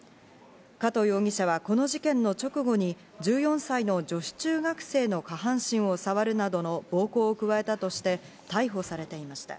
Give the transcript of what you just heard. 加藤容疑者はこの事件の直後に１４歳の女子中学生の下半身をさわるなどの暴行を加えたとして逮捕されていました。